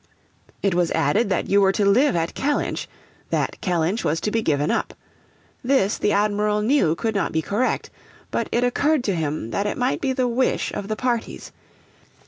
It was added that you were to live at Kellynch that Kellynch was to be given up. This the Admiral knew could not be correct. But it occurred to him that it might be the wish of the parties.